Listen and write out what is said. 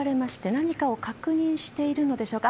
何かを確認しているのでしょうか。